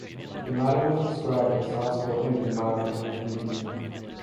Bin Laden was described as soft-spoken and mild-mannered in demeanor.